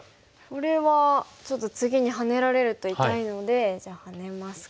これはちょっと次にハネられると痛いのでじゃあハネますか。